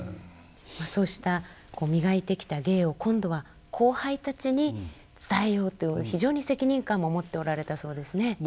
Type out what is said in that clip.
そうした磨いてきた芸を今度は後輩たちに伝えようと非常に責任感も持っておられたそうですね。